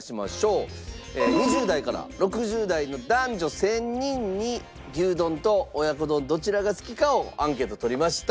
２０代から６０代の男女１０００人に牛丼と親子丼どちらが好きかをアンケート取りました。